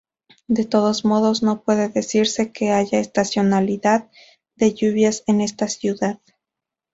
De todos modos no puede decirse que haya estacionalidad de lluvias en esta ciudad.